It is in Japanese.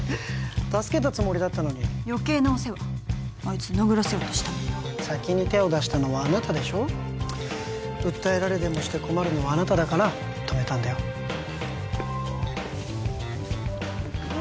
助けたつもりだったのに余計なお世話あいつに殴らせようとしたのに先に手を出したのはあなたでしょ訴えられでもして困るのはあなただから止めたんだよね